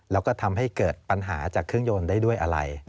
แล้วก็ทำให้เกิดปัญหาจากเครื่องยนต์ได้ด้วยอะไร